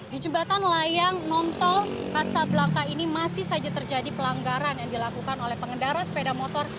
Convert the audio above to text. di jembatan layang nontol kasablangka ini masih saja terjadi pelanggaran yang dilakukan oleh pengendara sepeda motor